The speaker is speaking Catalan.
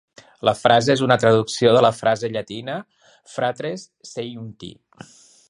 La frase és una traducció de la frase llatina "fratres seiuncti".